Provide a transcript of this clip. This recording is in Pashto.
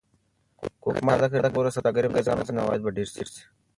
که حکومت د تالک د ډبرو سوداګري منظمه کړي نو عواید به ډېر شي.